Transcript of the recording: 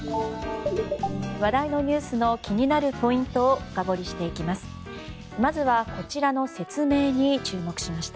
話題のニュースの気になるポイントを深掘りしていきます。